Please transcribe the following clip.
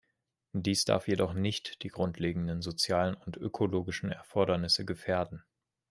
Dies darf jedoch nicht die grundlegenden sozialen und ökologischen Erfordernisse gefährden.